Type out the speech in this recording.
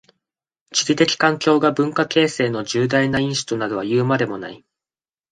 地理的環境が文化形成の重大な因子となるはいうまでもない。